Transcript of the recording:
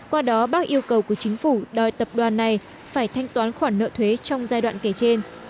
qua đó bác yêu cầu của chính phủ đòi tập đoàn này phải thanh toán khoản nợ thuế trong giai đoạn kể trên